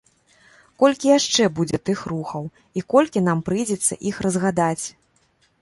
Колькі яшчэ будзе тых рухаў і колькі нам прыйдзецца іх разгадаць!